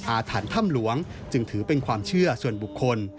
อาถรรพ์ถ้ำหลวงจึงถือเป็นความเชื่อส่วนบุคคล